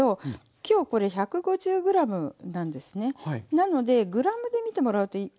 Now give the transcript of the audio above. なのでグラムでみてもらうといいと思います。